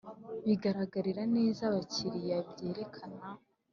Bigaragarira neza abakiriya byerekana